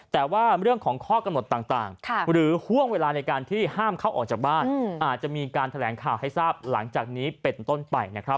แต่ว่าเรื่องของข้อกำหนดต่างหรือห่วงเวลาในการที่ห้ามเข้าออกจากบ้านอาจจะมีการแถลงข่าวให้ทราบหลังจากนี้เป็นต้นไปนะครับ